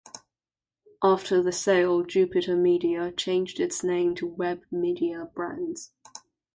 After the sale, Jupitermedia changed its name to WebMediaBrands.